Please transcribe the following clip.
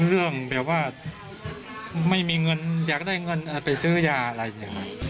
เรื่องแบบว่าไม่มีเงินอยากได้เงินไปซื้อยาอะไรอย่างนี้ครับ